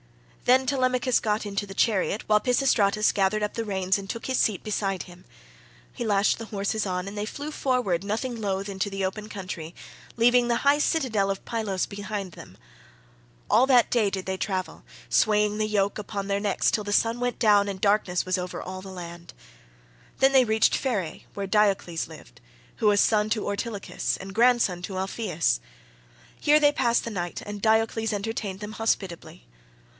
Then Telemachus got into the chariot, while Pisistratus gathered up the reins and took his seat beside him. He lashed the horses on and they flew forward nothing loth into the open country, leaving the high citadel of Pylos behind them. All that day did they travel, swaying the yoke upon their necks till the sun went down and darkness was over all the land. Then they reached Pherae where Diocles lived, who was son to Ortilochus and grandson to Alpheus. Here they passed the night and Diocles entertained them hospitably.